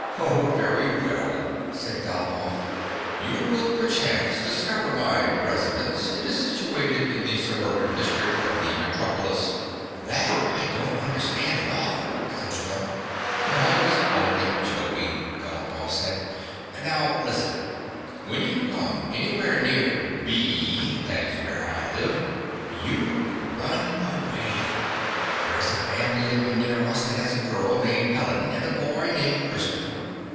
" Oh, very well," said Galopoff. " You will perchance discover my residence — it is situated in the suburban district of the metropolis —"" That I don't understand at all," said the dog. " I was only joking," Galopoff said. " Now listen : When you come anywhere near B (that is where I live) you run away. There is a family living near us that has a girl named Helen and a boy named Christopher.